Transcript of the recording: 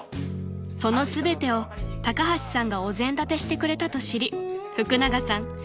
［その全てを高橋さんがお膳立てしてくれたと知り福永さん